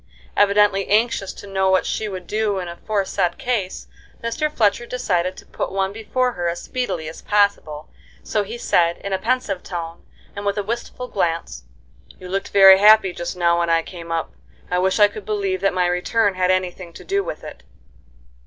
Evidently anxious to know what she would do in aforesaid case, Mr. Fletcher decided to put one before her as speedily as possible, so he said, in a pensive tone, and with a wistful glance: "You looked very happy just now when I came up. I wish I could believe that my return had any thing to do with it."